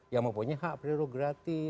yang mempunyai hak prerogatif